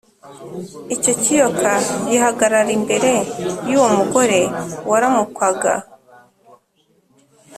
. Icyo kiyoka gihagarara imbere y’uwo mugore waramukwaga,